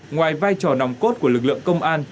ngoài vai trò nòng cốt của lực lượng công an